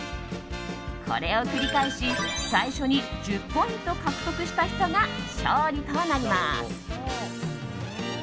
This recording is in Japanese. これを繰り返し、最初に１０ポイント獲得した人が勝利となります。